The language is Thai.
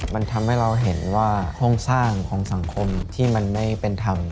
มันทำให้เราเห็นว่าโครงสร้างของสังคมที่มันไม่เป็นธรรม